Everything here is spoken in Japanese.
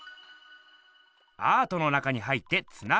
アートの中に入ってつながれる作ひん。